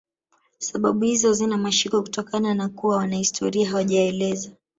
Sababu hizo hazina mashiko kutokana na kuwa wanahistoria hawajaeleza